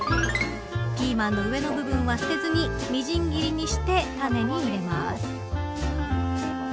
ピーマンの上の部分は捨てずにみじん切りにしてタネに入れます。